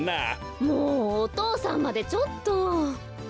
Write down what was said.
・もうお父さんまでちょっと。